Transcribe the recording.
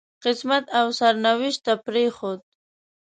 قسمت او سرنوشت ته پرېښود.